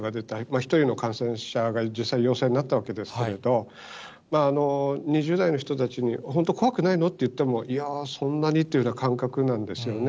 １人の感染者が実際、陽性になったわけですけれども、２０代の人たちに、本当、怖くないのと言ってもいやー、そんなにっていうような感覚なんですよね。